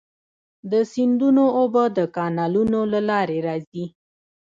د سیندونو اوبه د کانالونو له لارې راځي.